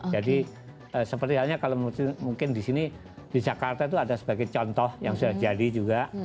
jadi seperti halnya kalau mungkin di sini di jakarta itu ada sebagai contoh yang sudah jadi juga